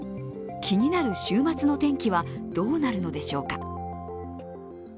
気になる週末の天気はどうなるのでしょうか。